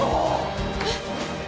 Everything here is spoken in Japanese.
えっ！？